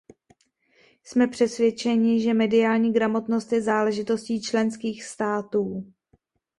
Jsme přesvědčeni, že mediální gramotnost je záležitostí členských států.